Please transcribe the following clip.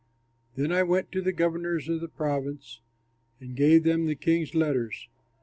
Then I went to the governors of the province and gave them the king's letters.